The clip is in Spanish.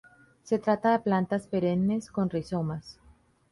Se trata de plantas perennes, con rizomas.